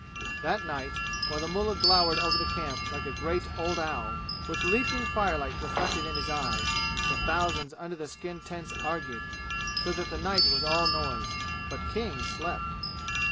That night, while the mullah glowered over the camp like a great old owl, with leaping firelight reflected in his eyes, the thousands under the skin tents argued, so that the night was all noise. But King slept.